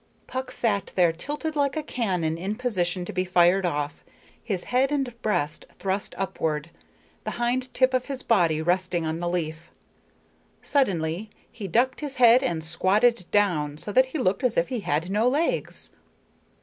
Puck sat there tilted like a cannon in position to be fired off, his head and breast thrust upward, the hind tip of his body resting on the leaf. Suddenly he ducked his head and squatted down, so that he looked as if he had no legs.